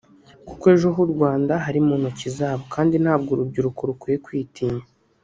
kuko ejo h’u Rwanda hari mu ntoki zabo; kandi ntabwo urubyiruko rukwiye kwitinya